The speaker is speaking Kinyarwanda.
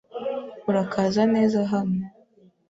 Urakaza neza hano, .